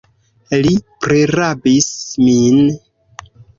Li prirabis min!